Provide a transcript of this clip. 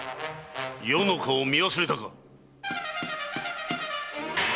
余の顔を見忘れたか？